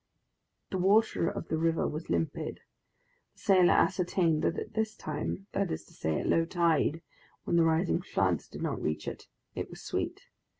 The water of the river was limpid. The sailor ascertained that at this time that is to say, at low tide, when the rising floods did not reach it it was sweet.